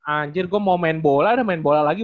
anjir gua mau main bola udah main bola lagi